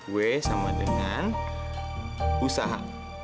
w sama dengan usaha